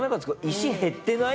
「石減ってない？」